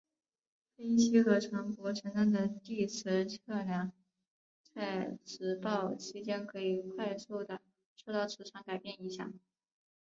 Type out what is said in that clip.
飞机和船舶承担的地磁测量在磁暴期间可以快速的受到磁场改变影响。